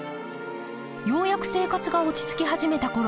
ようやく生活が落ち着き始めたころ